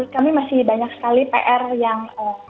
kami masih banyak sekali pr yang